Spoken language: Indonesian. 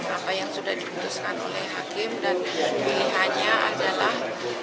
apa yang sudah diputuskan oleh hakim dan pilihannya adalah